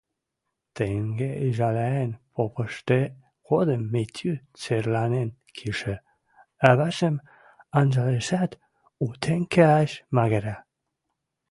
Тенге ӹжӓлӓен попымышты годым Митю церлӓнен кишӹ ӓвӓжӹм анжалешӓт, утен кеӓш мӓгӹрӓ.